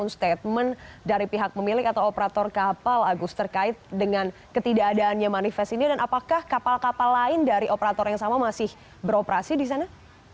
statement dari pihak pemilik atau operator kapal agus terkait dengan ketidakadaannya manifest ini dan apakah kapal kapal lain dari operator yang sama masih beroperasi di sana